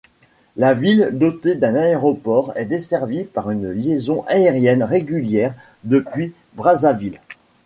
La ville, dotée d'un aéroport, est desservie par une liaison aérienne régulière depuis Brazzaville.